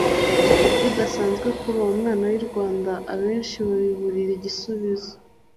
bidasanzwe kuri uwo mwana w’i Rwanda Abenshi babiburira igisubizo